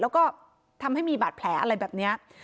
แล้วก็ทำให้มีบาดแผลอะไรแบบนี้